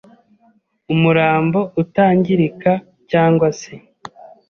umurambo utangirika cyangwa se